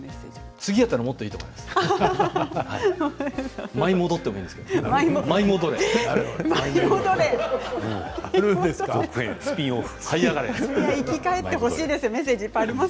次にあったらもっとすごいと思います。